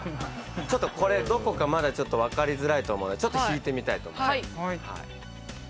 ちょっとこれどこかまだちょっと分かりづらいと思うのでちょっと引いてみたいと思います。